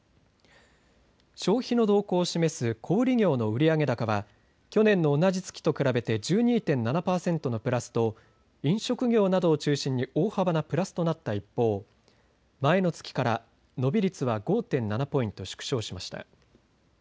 消費の動向を示す小売業の売上高は去年の同じ月と比べて１２．７％のプラスと飲食業などを中心に大幅なプラスとなった一方、前の月から伸び率は５．７ポイント縮小しました。